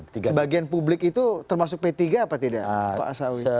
sebagian publik itu termasuk p tiga apa tidak pak asawi